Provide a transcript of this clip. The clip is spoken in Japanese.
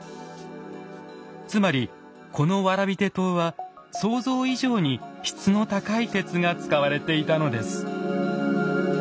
つまりこの蕨手刀は想像以上に質の高い鉄が使われていたのです。